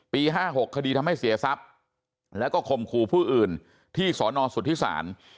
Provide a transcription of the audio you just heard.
๕๖คดีทำให้เสียทรัพย์แล้วก็คมคู่อื่นที่สอนอสุทธิศาล